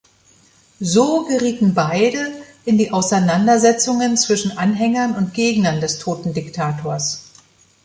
So gerieten beide in die Auseinandersetzungen zwischen Anhängern und Gegnern des toten Diktators.